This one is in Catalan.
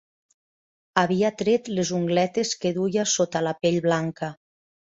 Havia tret les ungletes que duia sota la pell blanca